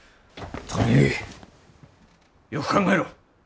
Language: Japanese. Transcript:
鳥居よく考えろ。